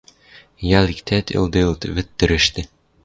Йӓл иктӓт ылделыт вӹд тӹрӹштӹ...